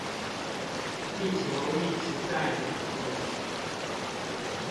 地球一直在轉動